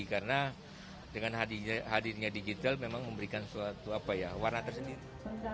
karena dengan hadirnya digital memang memberikan suatu warna tersendiri